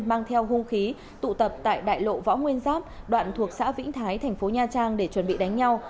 mang theo hung khí tụ tập tại đại lộ võ nguyên giáp đoạn thuộc xã vĩnh thái thành phố nha trang để chuẩn bị đánh nhau